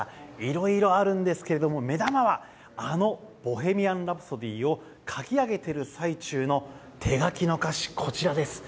色々あるんですが目玉はあの「ボヘミアン・ラプソディ」を書き上げている最中の手書きの歌詞、こちらです。